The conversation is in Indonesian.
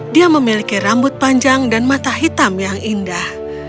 dia memiliki rambut panjang dan mata hitam yang indah